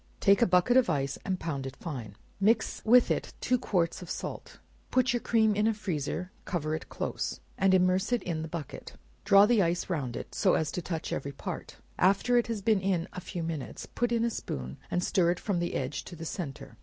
Take a bucket of ice and pound it fine; mix with it two quarts of salt; put your cream in a freezer; cover it close, and immerse it in the bucket; draw the ice round it, so as to touch every part; after it has been in a few minutes, put in a spoon, and stir it from the edge to the centre.